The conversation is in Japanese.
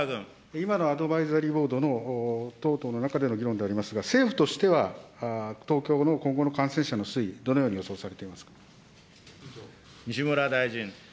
今のアドバイザリーボードの等々の中での議論でありますが、政府としては、東京の今後の感染者の推移、どのように予想されて西村大臣。